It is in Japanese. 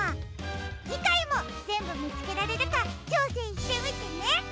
じかいもぜんぶみつけられるかちょうせんしてみてね！